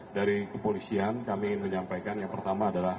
dari kepolisian kami ingin menyampaikan yang pertama adalah